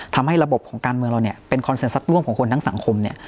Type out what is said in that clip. ทำให้ระบบของการเมืองเราเป็นคอนเซ็นซัตร์ร่วมของคนทั้งสังคม